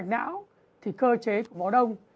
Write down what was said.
mạch não thì cơ chế cục máu đông